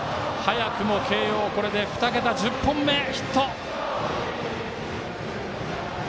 早くも慶応２桁１０本目ヒット。